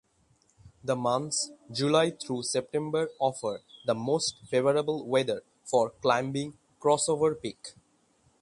The months July through September offer the most favorable weather for climbing Crossover Peak.